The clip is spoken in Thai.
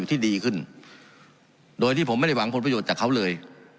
ที่ดีขึ้นโดยที่ผมไม่ได้หวังผลประโยชน์จากเขาเลย